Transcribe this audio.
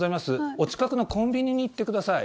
お近くのコンビニに行ってください。